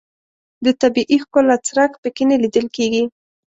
د طبیعي ښکلا څرک په کې نه لیدل کېږي.